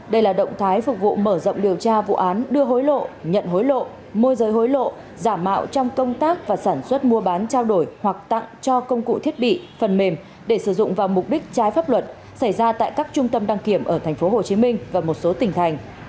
đây là động thái phục vụ mở rộng điều tra vụ án đưa hối lộ nhận hối lộ môi giới hối lộ giả mạo trong công tác và sản xuất mua bán trao đổi hoặc tặng cho công cụ thiết bị phần mềm để sử dụng vào mục đích trái pháp luật xảy ra tại các trung tâm đăng kiểm ở tp hcm và một số tỉnh thành